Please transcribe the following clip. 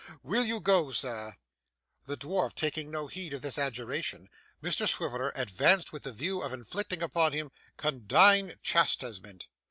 Will you go, Sir?' The dwarf taking no heed of this adjuration, Mr Swiveller advanced with the view of inflicting upon him condign chastisement.